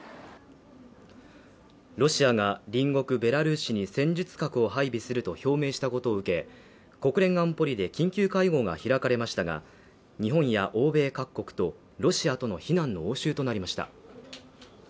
ロシアが隣国ベラルーシに戦術核を配備すると表明したことを受け、国連安保理で緊急会合が開かれましたが、日本や欧米各国とロシアとの非難の応酬となりました。